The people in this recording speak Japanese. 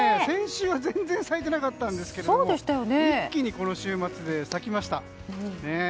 先週は全然咲いてなかったんですけども一気にこの週末で咲きました。